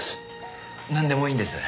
なんでもいいんです。